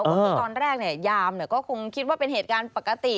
ก็คือตอนแรกยามก็คงคิดว่าเป็นเหตุการณ์ปกติ